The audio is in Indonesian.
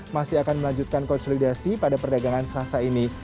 masih akan melanjutkan konsolidasi pada perdagangan selasa ini